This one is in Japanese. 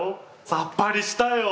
さっぱりしたよ。